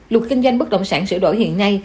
luật kinh doanh bất động sản sửa đổi hiện nay